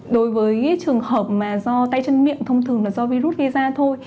đối với trường hợp mà do tay chân miệng thông thường là do virus gây ra thôi